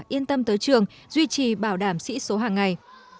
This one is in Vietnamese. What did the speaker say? yên tâm tới trường duy trì bảo đảm sĩ số hàng ngày